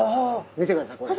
見てくださいこれ。